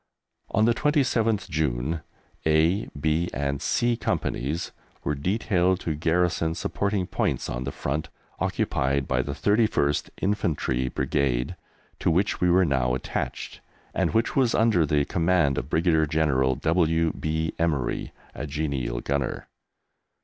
On the 27th June A, B, and C Companies were detailed to garrison supporting points on the front occupied by the 31st Infantry Brigade, to which we were now attached, and which was under the command of Brigadier General W. B. Emery, a genial gunner.